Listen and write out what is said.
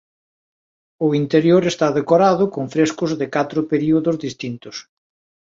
O interior está decorado con frescos de catro períodos distintos.